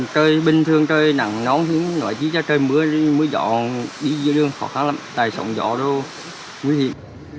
trời bình thường trời nắng nóng trời mưa mưa giọt đi dưới đường khó khăn lắm tại sông giọt đâu nguy hiểm